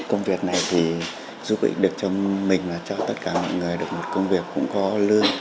công việc này thì giúp ích được cho mình và cho tất cả mọi người được một công việc cũng có lương